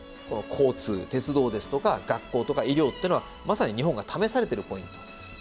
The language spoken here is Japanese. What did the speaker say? この交通鉄道ですとか学校とか医療っていうのはまさに日本が試されてるポイント。